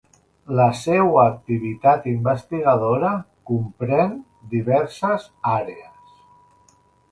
La seua activitat investigadora comprén diverses àrees.